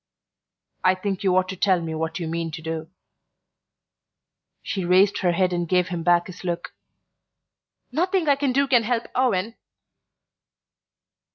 "I think you ought to tell me what you mean to do." She raised her head and gave him back his look. "Nothing I do can help Owen!"